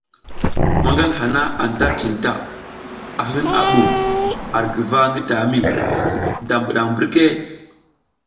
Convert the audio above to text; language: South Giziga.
Manal haha anta cinta, a hin a bu ar guva ngi tami, da bidang mbirke?